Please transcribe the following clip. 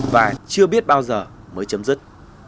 và chưa biết bao giờ mới chấm dứt